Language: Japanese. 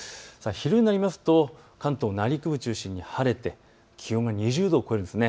昼になりますと関東、内陸部を中心に晴れて気温が２０度を超えます。